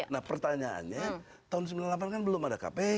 nah pertanyaannya tahun seribu sembilan ratus sembilan puluh delapan kan belum ada kpk